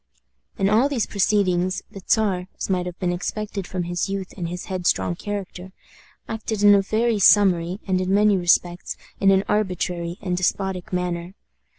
In all these proceedings, the Czar, as might have been expected from his youth and his headstrong character, acted in a very summary, and in many respects in an arbitrary and despotic manner.